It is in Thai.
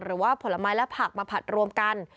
หรือว่าผลไม้และผักมาผัดรวมกัน